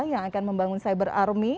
yang akan membangun cyber army